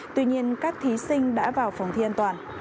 tuy nhiên các thí sinh đã vào phòng thi an toàn